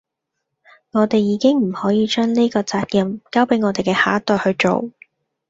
我地已經唔可以將呢個責任交俾我們既下一代去做